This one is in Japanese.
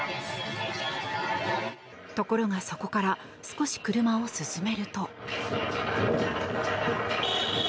ところがそこから少し車を進めると。